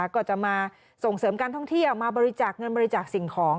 ก็จะมาส่งเสริมการท่องเที่ยวมาบริจาคเงินบริจาคสิ่งของ